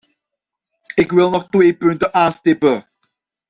Ik wil nog twee punten aanstippen.